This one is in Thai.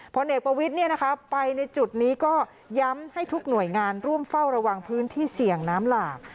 พลเอกประวิทย์ไปในจุดนี้ก็ย้ำให้ทุกหน่วยงานร่วมเฝ้าระวังพื้นที่เสี่ยงน้ำหลาก